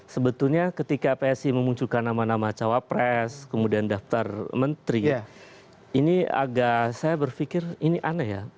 sebetulnya ketika psi memunculkan nama nama cawapres kemudian daftar menteri ini agak saya berpikir ini aneh ya